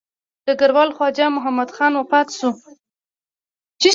ډګروال خواجه محمد خان وفات شوی.